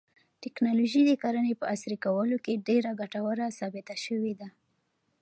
تکنالوژي د کرنې په عصري کولو کې ډېره ګټوره ثابته شوې ده.